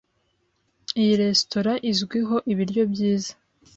Iyi resitora izwiho ibiryo byiza.